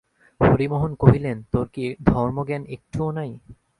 হরিমোহন কহিলেন, তোর কি ধর্মজ্ঞান একটুও নাই?